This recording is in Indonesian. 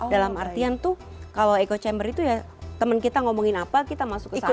dalam artian tuh kalau echo chamber itu ya temen kita ngomongin apa kita masuk kesana kan